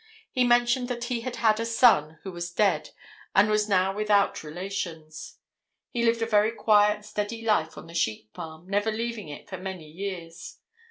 He mentioned that he had had a son who was dead, and was now without relations. He lived a very quiet, steady life on the sheep farm, never leaving it for many years.